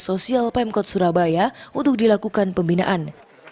sosial pemkot surabaya untuk dilakukan pembinaan